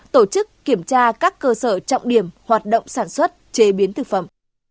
tổ chức kiểm tra các cơ sở trọng điểm hoạt động sản xuất chế biến thực phẩm